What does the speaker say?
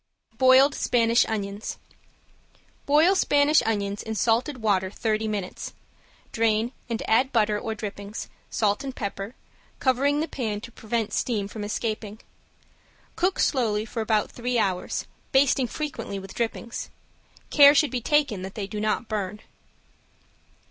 ~BOILED SPANISH ONIONS~ Boil Spanish onions in salted water thirty minutes. Drain and add butter or drippings, salt and pepper, covering the pan to prevent steam from escaping. Cook slowly for about three hours, basting frequently with drippings. Care should be taken that they do not burn.